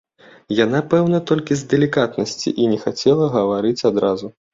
Яна пэўна толькі з далікатнасці і не хацела гаварыць адразу.